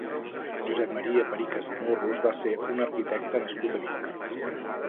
Josep Maria Pericas i Morros va ser un arquitecte nascut a Vic.